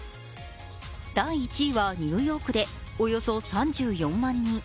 第１位はニューヨークでおよそ３４万人。